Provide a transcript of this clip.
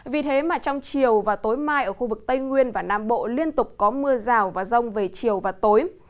vì thế mà trong chiều và tối mai ở khu vực tây nguyên và nam bộ liên tục có mưa rào và rông về chiều và tối